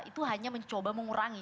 itu hanya mencoba mengurangi